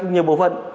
nhiều bộ phận